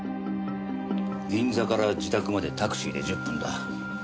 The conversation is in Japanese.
銀座から自宅までタクシーで１０分だ。